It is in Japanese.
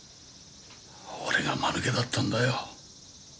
俺が間抜けだったんだよ。